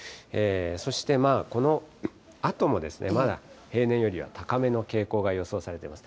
そしてこのあとも、まだ平年よりは高めの傾向が予想されています。